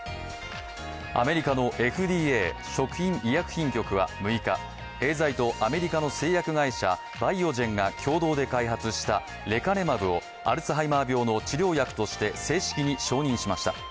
アメリカのＦＤＡ＝食品医薬品局は６日、エーザイとアメリカの製薬会社バイオジェンが共同で開発したレカネマブをアルツハイマー病の治療薬として正式に承認しました。